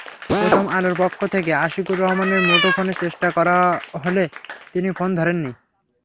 প্রথম আলোর পক্ষ থেকে আশিকুর রহমানের মুঠোফোনে চেষ্টা করা হলে তিনি ফোন ধরেননি।